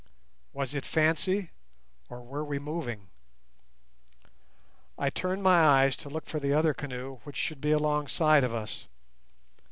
Was it fancy, or were we moving? I turned my eyes to look for the other canoe which should be alongside of us.